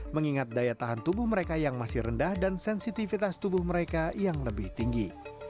mengingat daya tahan tubuh mereka yang masih rendah dan sensitivitas tubuh mereka yang lebih tinggi